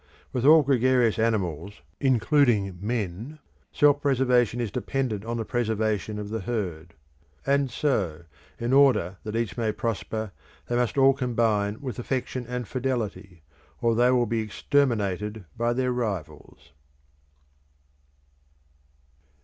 With all gregarious animals, including men, self preservation is dependent on the preservation of the herd. And so, in order that each may prosper, they must all combine with affection and fidelity, or they will be exterminated by their rivals.